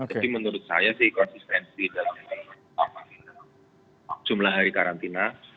tapi menurut saya sih konsistensi dalam jumlah hari karantina